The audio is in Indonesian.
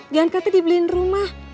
jangan kata dibeliin rumah